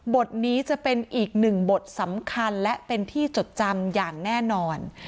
บทนี้จะเป็นอีกหนึ่งบทสำคัญและเป็นที่จดจำอย่างแน่นอน